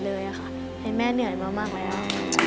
เธอเหนื่อยมาก